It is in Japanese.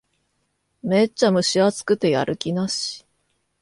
めっちゃ蒸し暑くてやる気なし